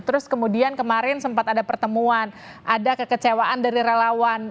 terus kemudian kemarin sempat ada pertemuan ada kekecewaan dari relawan